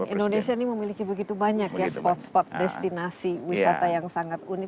indonesia ini memiliki begitu banyak ya spot spot destinasi wisata yang sangat unik